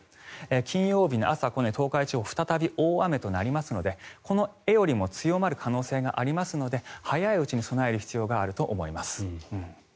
金曜日の朝、東海地方再び大雨となるのでこの画よりも強まる可能性がありますので早いうちに備える必要があると思います。